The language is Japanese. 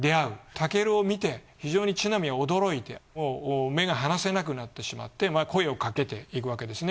タケルを見て非常に千波は驚いて目が離せなくなってしまって声をかけていくわけですね。